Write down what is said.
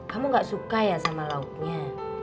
kamu gak suka ya sama lauknya